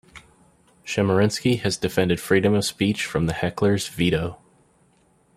Chemerinsky has defended freedom of speech from the heckler's veto.